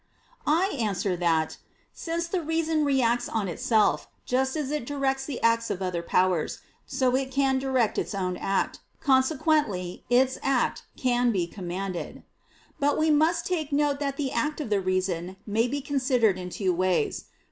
I answer that, Since the reason reacts on itself, just as it directs the acts of other powers, so can it direct its own act. Consequently its act can be commanded. But we must take note that the act of the reason may be considered in two ways.